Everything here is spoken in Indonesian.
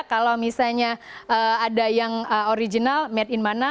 kalau misalnya ada yang original made in mana